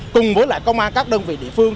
cùng với lại công an các đơn vị địa phương